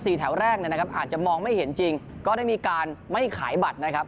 แถวแรกเนี่ยนะครับอาจจะมองไม่เห็นจริงก็ได้มีการไม่ขายบัตรนะครับ